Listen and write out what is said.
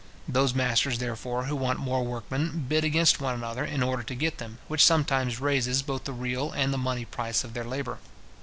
Those masters, therefore, who want more workmen, bid against one another, in order to get them, which sometimes raises both the real and the money price of their labour.